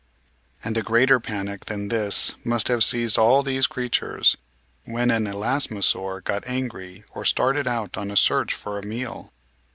And a greater panic than this must have seized all these creatures when an Elasmosaur got angry or started out on a search for a meal.